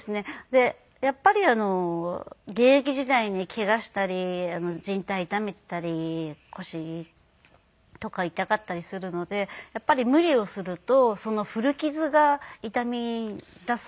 でやっぱり現役時代にケガしたり靱帯傷めていたり腰とか痛かったりするのでやっぱり無理をするとその古傷が痛みだすんですよね。